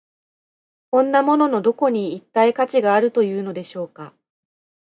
こんなもののどこに、一体価値があるというのでしょうか。